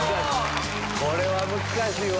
これは難しいわ。